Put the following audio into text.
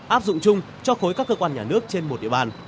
áp dụng chung cho khối các cơ quan nhà nước trên một địa bàn